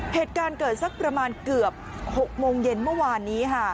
เหตุการณ์เกิดสักประมาณเกือบ๖โมงเย็นเมื่อวานนี้ค่ะ